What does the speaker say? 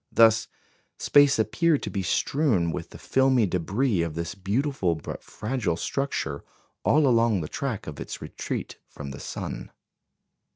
Thus space appeared to be strewn with the filmy débris of this beautiful but fragile structure all along the track of its retreat from the sun.